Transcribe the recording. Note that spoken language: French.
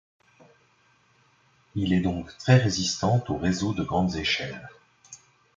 Il est donc très résistant aux réseaux de grandes échelles.